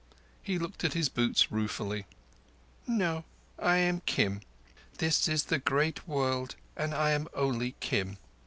He looked at his boots ruefully. "No; I am Kim. This is the great world, and I am only Kim.